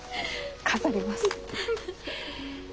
飾ります。